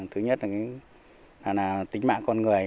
thứ nhất là tính mạng con người